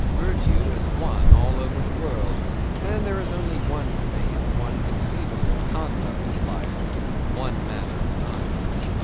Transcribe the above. Virtue is one all over the world, and there is only one faith, one conceivable conduct of life, one manner of dying.